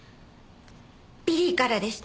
ビリーからでした。